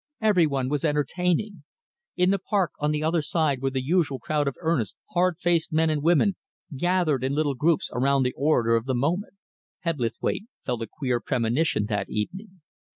Every one was entertaining. In the Park on the other side were the usual crowd of earnest, hard faced men and women, gathered in little groups around the orator of the moment. Hebblethwaite felt a queer premonition that evening.